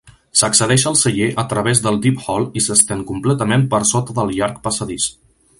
S'accedeix al celler a través del Deep Hall i s'estén completament per sota del llarg passadís.